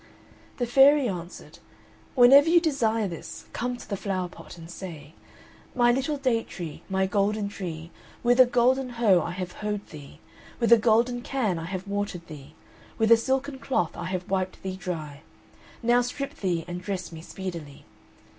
The fairy answered, "Whenever you desire this, come to the flower pot and say: My little Date tree, my golden tree, With a golden hoe I have hoed thee, With a golden can I have watered thee, With a silken cloth I have wiped thee dry, Now strip thee and dress me speedily.